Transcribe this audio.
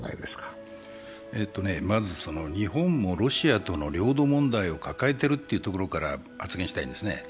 まず、日本もロシアとの領土問題を抱えているというところから発言したいんですね。